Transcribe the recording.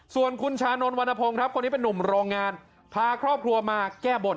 ส่วนคุณชานนทวรรณพงศ์ครับคนนี้เป็นนุ่มโรงงานพาครอบครัวมาแก้บน